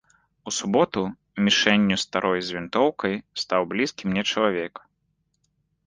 У суботу мішэнню старой з вінтоўкай стаў блізкі мне чалавек.